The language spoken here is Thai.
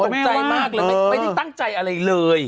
ตื่นต้องใจมากไรมาตรงนี้ไม่ได้ตั้งใจอะไรเลย